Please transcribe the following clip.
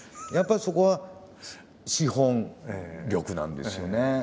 やっぱりそこは資本力なんですよね。